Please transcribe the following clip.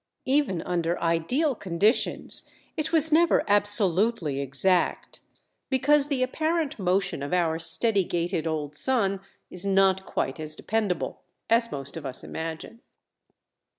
Even under ideal conditions it was never absolutely exact, because the apparent motion of our steady gaited old sun is not quite as dependable as most of us imagine.